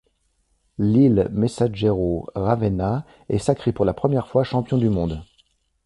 L'Il Messaggero Ravenna est sacré pour la première fois champion du monde.